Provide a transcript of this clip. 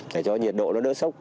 để cho nhiệt độ nó đỡ sốc